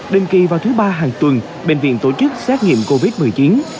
đình kỳ vào thứ ba hàng tuần bệnh viện tổ chức xét nghiệm covid một mươi chín